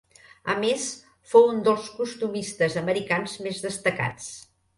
A més, fou un dels costumistes americans més destacats.